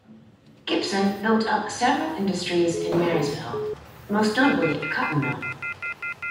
Gibson built up several industries in Marysville, most notably a cotton mill.